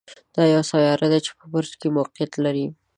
دا یوه سیاره ده چې په برج کې موقعیت لري.